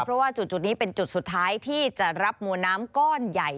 เพราะว่าจุดนี้เป็นจุดสุดท้ายที่จะรับมวลน้ำก้อนใหญ่